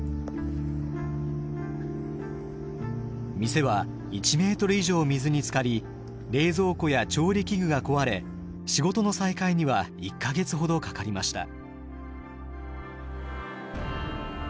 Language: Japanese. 店は１ｍ以上水につかり冷蔵庫や調理器具が壊れ仕事の再開には１か月ほどかかりました。